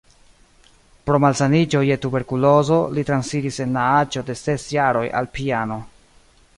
Pro malsaniĝo je tuberkulozo li transiris en la aĝo de ses jaroj al piano.